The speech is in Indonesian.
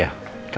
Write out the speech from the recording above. ya ampun om